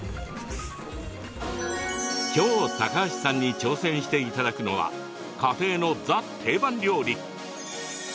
きょう高橋さんに挑戦していただくのは家庭のＴＨＥ定番料理。